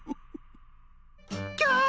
「キャー！